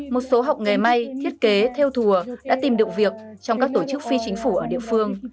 một số học nghề may thiết kế theo thùa đã tìm được việc trong các tổ chức phi chính phủ ở địa phương